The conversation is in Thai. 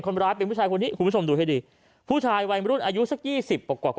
คนร้ายเป็นผู้ชายคนนี้คุณผู้ชมดูให้ดีผู้ชายวัยมรุ่นอายุสักยี่สิบกว่ากว่า